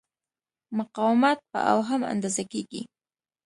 مقاومت په اوهم اندازه کېږي.